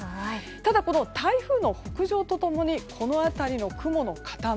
ただ、台風の北上とともにこの辺りの雲の塊。